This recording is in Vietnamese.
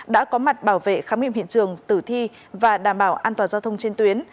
đã có mặt bảo vệ khám nghiệm hiện trường tử thi và đảm bảo an toàn giao thông trên tuyến